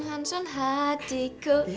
hancur hancur hatiku